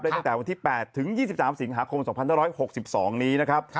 ตั้งแต่วันที่๘ถึง๒๓สิงหาคม๒๕๖๒นี้นะครับ